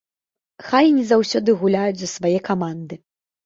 Хай і не заўсёды гуляюць за свае каманды.